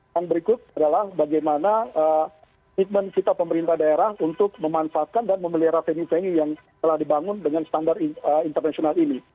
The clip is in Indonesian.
yang berikut adalah bagaimana komitmen kita pemerintah daerah untuk memanfaatkan dan memelihara venue venue yang telah dibangun dengan standar internasional ini